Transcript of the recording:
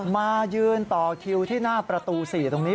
มายืนต่อคิวที่หน้าประตู๔ตรงนี้